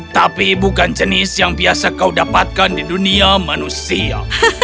tapi bukan jenis yang biasa kau dapatkan di dunia manusia